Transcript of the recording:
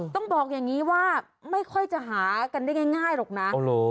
ต้องบอกอย่างนี้ว่าไม่ค่อยจะหากันได้ง่ายหรอกนะ